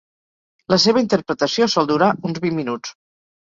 La seva interpretació sol durar uns vint minuts.